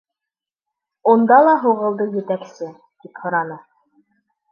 Унда ла һуғылды етәксе. — тип һораны.